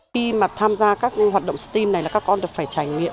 khi mà tham gia các hoạt động steam này là các con được phải trải nghiệm